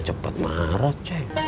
cepet marah cek